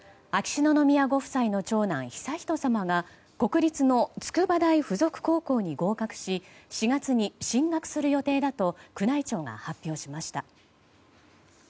秋篠宮ご夫妻の長男・悠仁さまが国立の筑波大附属高校に合格し４月に進学する予定だと宮内庁が発表しました。